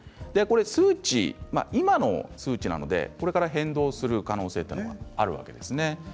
数値、今の数値なのでこれから変動する可能性はあるわけですね。